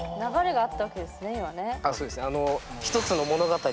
そうですね。